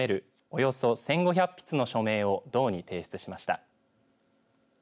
およそ１５００筆の署名を道に提出しました。